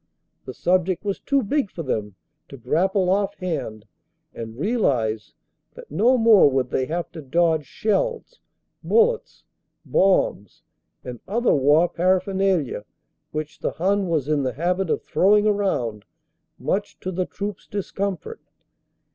The sub ject was too big for them to grapple offhand and realize that no more would they have to dodge shells, bullets, bombs and other war paraphernalia which the Hun was in the habit of throwing around much to the troops discomfort.